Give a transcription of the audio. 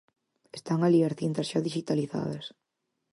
Están alí as cintas xa dixitalizadas.